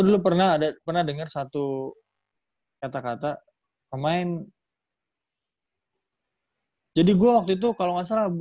dulu pernah ada pernah dengar satu kata kata pemain jadi gue waktu itu kalau nggak salah